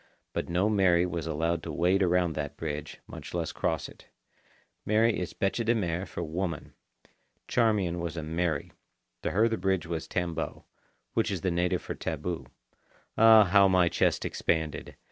But no Mary was allowed to wade around that bridge, much less cross it. "Mary" is bêche de mer for woman. Charmian was a Mary. To her the bridge was tambo, which is the native for taboo. Ah, how my chest expanded!